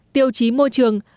tiêu chí môi trường